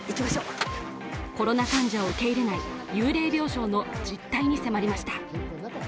コロナ患者を受け入れない幽霊病床の実態に迫りました。